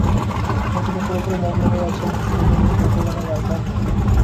এখন তিনি পুরোপুরি মগ্ন হয়ে আছেন ভিন্নধর্মী দ্বৈত গানের অ্যালবাম নিয়ে।